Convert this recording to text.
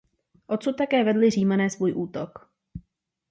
Odsud také vedli Římané svůj útok.